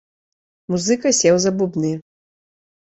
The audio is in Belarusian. Музыка сеў за бубны.